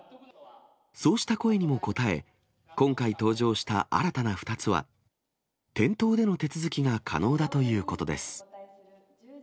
そうした声にも応え、今回登場した新たな２つは、店頭での手続きが可能だということです。